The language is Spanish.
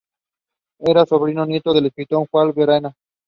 Era sobrino nieto del escritor Juan Valera.